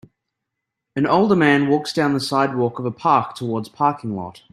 An older man walks down the sidewalk of a park towards parking lot.